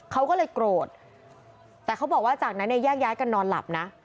เขาก็เลยโกรธแต่เขาบอกว่าจากนั้นเนี่ยแยกย้ายกันนอนหลับนะ